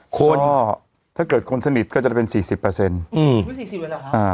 เพราะถ้าเกิดคนสนิทก็จะเป็นสี่สิบเปอร์เซ็นต์อืมอืมสี่สิบเปอร์เซ็นต์เหรออ่า